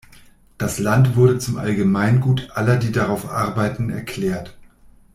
Das Land wurde zum „Allgemeingut aller die darauf arbeiten“ erklärt.